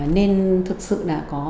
nên thực sự đã có